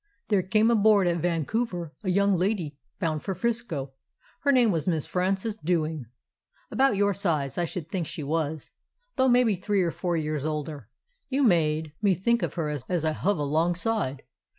There came aboard at Vancouver a young lady bound for 'Frisco. Her name was Miss Frances Dewing. About your size, I should think she was, though maybe three or four years older. You made 222 A CALIFORNIA SEA DOG me think of her as I hove alongside.